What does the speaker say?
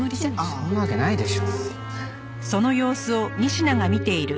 そんなわけないでしょ。